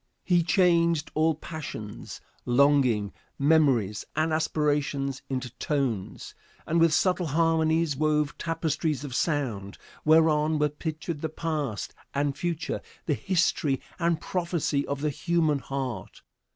He changed all passions, longing, memories and aspirations into tones, and with subtle harmonies wove tapestries of sound, whereon were pictured the past and future, the history and prophecy of the human heart.